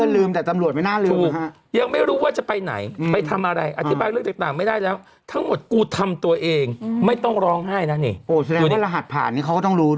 แล้วคุณป้าไปไหนไม่คิดว่าจะกัดลงไปเจอ